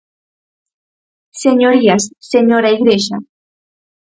Señorías, señora Igrexa.